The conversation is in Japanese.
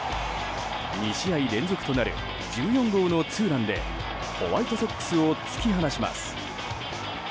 ２試合連続となる１４号のツーランでホワイトソックスを突き放します。